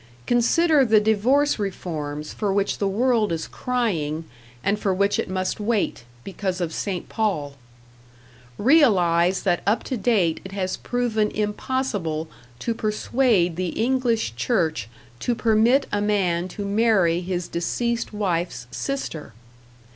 Consider the divorce reforms for which the world is crying and for which it must wait, because of St. Paul! Realize that up to date it has proven impossible to persuade the English Church to permit a man to marry his deceased wife's sister!